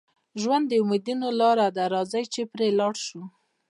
ژوند د امیدونو لاره ده، راځئ چې پرې ولاړ شو.